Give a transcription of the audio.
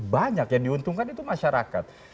banyak yang diuntungkan itu masyarakat